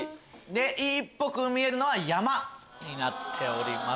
「Ｅ」っぽく見えるのは「山」になっております。